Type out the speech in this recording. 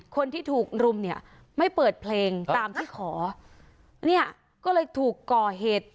คนที่ถูกรุมเนี่ยไม่เปิดเพลงตามที่ขอเนี่ยก็เลยถูกก่อเหตุ